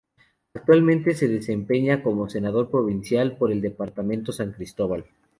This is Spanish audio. Actualmente se desempeña como Senador Provincial por el departamento San Cristóbal.